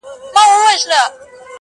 واه واه، خُم د شرابو ته راپرېوتم، بیا,